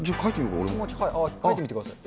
書いてみてください。